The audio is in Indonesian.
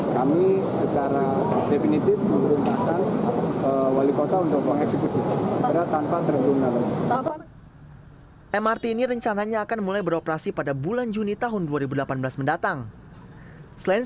kami secara definitif memperuntukkan wali kota untuk mengeksekusi